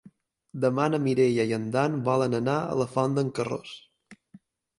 Demà na Mireia i en Dan volen anar a la Font d'en Carròs.